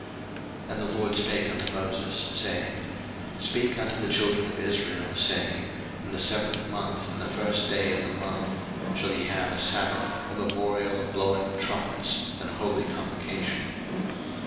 03:023:023 And the LORD spake unto Moses, saying, 03:023:024 Speak unto the children of Israel, saying, In the seventh month, in the first day of the month, shall ye have a sabbath, a memorial of blowing of trumpets, an holy convocation.